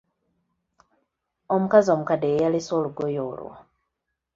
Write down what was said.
Omukazi omukadde ye yaleese olugoye olwo.